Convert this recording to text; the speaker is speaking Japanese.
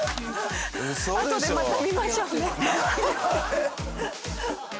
あとでまた見ましょうね。